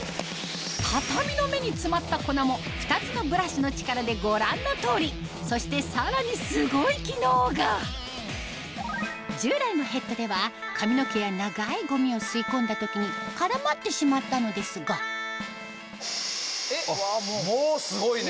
畳の目に詰まった粉も２つのブラシの力でご覧の通りそしてさらにすごい機能が従来のヘッドでは髪の毛や長いゴミを吸い込んだ時に絡まってしまったのですがもうすごいね。